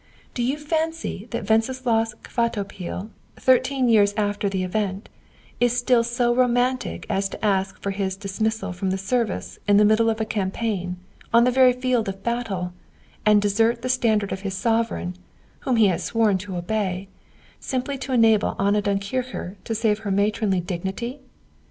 Do you fancy that Wenceslaus Kvatopil, thirteen years after the event, is still so romantic as to ask for his dismissal from the service in the middle of a campaign, on the very field of battle, and desert the standard of his Sovereign, whom he has sworn to obey, simply to enable Anna Dunkircher to save her matronly dignity?